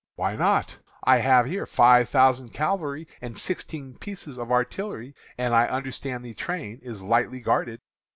"'Why not? I have here five thousand cavalry and sixteen pieces of artillery, and I understand the train is lightly guarded.'